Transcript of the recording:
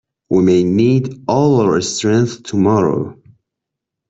We may need all our strength tomorrow.